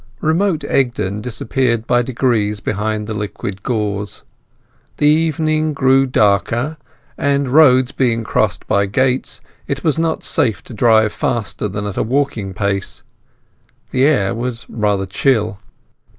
Remote Egdon disappeared by degree behind the liquid gauze. The evening grew darker, and the roads being crossed by gates, it was not safe to drive faster than at a walking pace. The air was rather chill.